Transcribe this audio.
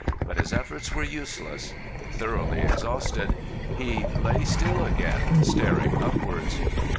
But his efforts were useless. Thoroughly exhausted he lay still again, staring upwards.